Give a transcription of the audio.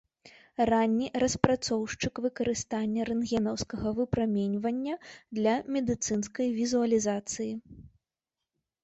Ранні распрацоўшчык выкарыстання рэнтгенаўскага выпраменьвання для медыцынскай візуалізацыі.